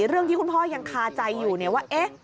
เรื่องที่คุณพ่อยังคาใจอยู่ว่า